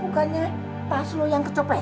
bukannya pas lu yang kecopetan